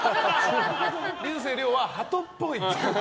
竜星涼はハトっぽい。